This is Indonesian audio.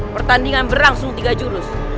pertandingan berlangsung tiga jurus